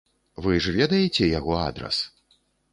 Вы ж ведаеце яго адрас?